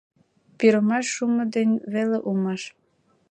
Пӱрымаш шумо ден веле улмаш.